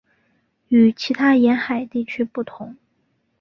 与其他沿海地区不同。